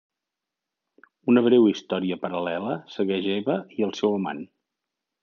Una breu història paral·lela segueix Eva i el seu amant.